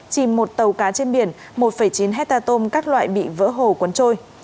chìm một tàu cá trên biển một chín hectare tôm các loại bị vỡ hồ cuốn trôi